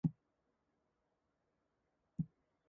She successfully defended her conduct with wit and defiance.